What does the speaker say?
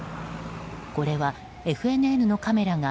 これはＦＮＮのカメラが